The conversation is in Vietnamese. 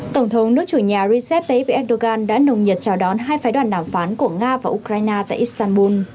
tổng thống nước chủ nhà rcep tayyip erdogan đã nồng nhiệt chào đón hai phái đoàn đàm phán của nga và ukraine tại istanbul